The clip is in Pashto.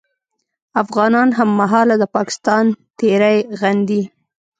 افغانان هممهاله د پاکستان تېری غندي